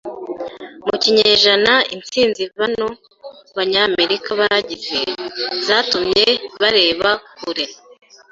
mu kinyejana Insinzi bano banyamerika bagize, zatumye bareba kure,